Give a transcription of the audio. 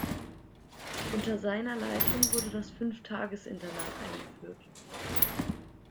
Unter seiner Leitung wurde das Fünf-Tages-Internat eingeführt.